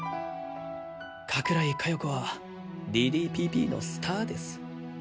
加倉井加代子はＤＤＰＰのスターです。